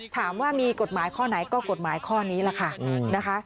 ถามว่ามีกฎหมายข้อไหนก็กฎหมายข้อนี้แหละค่ะนะคะ